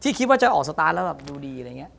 คิดว่าจะออกสตาร์ทแล้วแบบดูดีอะไรอย่างนี้